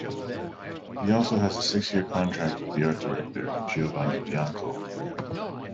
He also has a six-year contract with the art director, Giovanni Bianco.